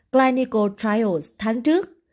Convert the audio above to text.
clinical trials tháng trước